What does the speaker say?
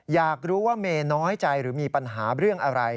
อยากรู้ว่าเมย์น้อยใจหรือมีปัญหาเรื่องอะไร